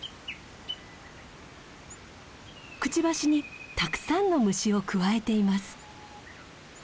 くちばしにたくさんの虫をくわえています。